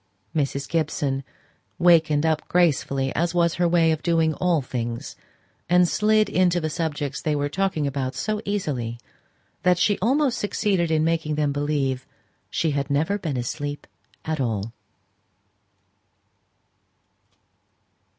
Mrs. Gibson wakened up gracefully, as was her way of doing all things, and slid into the subjects they were talking about so easily, that she almost succeeded in making them believe she had never been asleep at all.